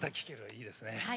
いいですね。